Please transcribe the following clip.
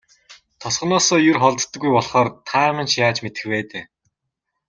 Тосгоноосоо ер холддоггүй болохоор та минь ч яаж мэдэх вэ дээ.